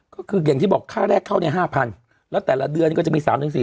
ก็คืออย่างที่บอกค่าแรกเข้าเนี่ย๕๐๐แล้วแต่ละเดือนก็จะมี๓๔